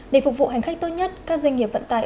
để phục vụ hành khách tốt nhất các doanh nghiệp vận tải